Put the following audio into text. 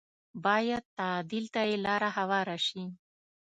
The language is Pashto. بايد تعديل ته یې لاره هواره شي